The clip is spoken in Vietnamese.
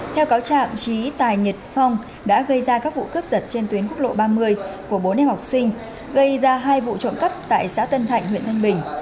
theo cáo trạng trí tài nhật phong đã gây ra các vụ cướp giật trên tuyến quốc lộ ba mươi của bốn em học sinh gây ra hai vụ trộm cắp tại xã tân thạnh huyện thăng bình